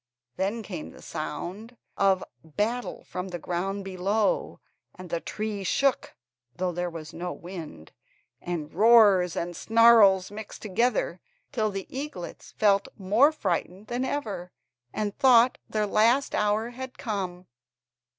Then came the sound of battle from the ground below, and the tree shook, though there was no wind, and roars and snarls mixed together, till the eaglets felt more frightened than ever, and thought their last hour had come.